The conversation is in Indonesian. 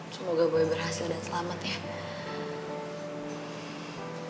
semoga boleh berhasil dan selamat ya